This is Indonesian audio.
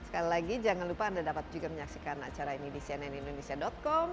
sekali lagi jangan lupa anda dapat juga menyaksikan acara ini di cnnindonesia com